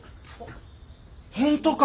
本当か！？